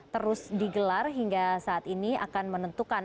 terus digelar hingga saat ini akan menentukan